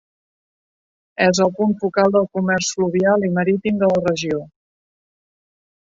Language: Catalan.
És el punt focal del comerç fluvial i marítim de la regió.